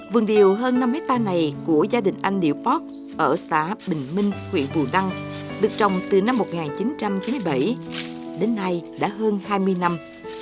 vườn điều hơn năm hectare này của gia đình anh điệu pot ở xã bình minh huyện bù đăng được trồng từ năm một nghìn chín trăm chín mươi bảy đến nay đã hơn hai mươi năm